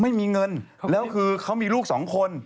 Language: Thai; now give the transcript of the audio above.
ไม่มีเงินแล้วคือเขามีลูกสองคน